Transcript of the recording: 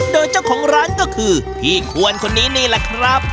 โดยเจ้าของร้านก็คือพี่ควรคนนี้นี่แหละครับ